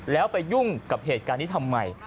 แล้วไปยุ่งกับเหตุการณ์นี้ทำไม